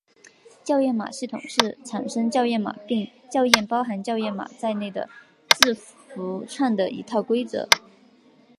校验码系统是产生校验码并校验包括校验码在内的字符串的一套规则。